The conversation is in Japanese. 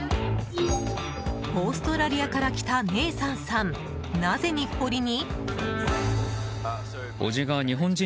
オーストラリアから来たネーサンさん、なぜ日暮里に？